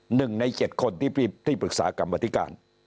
หนึ่งในเจ็ดคนที่ปรึกษากรรมธิการ